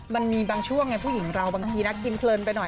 มันมีบางช่วงไงผู้หญิงเราบางทีนะกินเพลินไปหน่อย